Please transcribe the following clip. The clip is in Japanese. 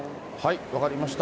分かりました。